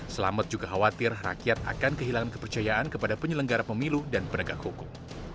selamet juga khawatir rakyat akan kehilangan kepercayaan kepada penyelenggara pemilu dan penegak hukum